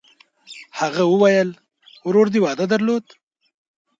هغه وویل: «ورور دې واده درلود؟»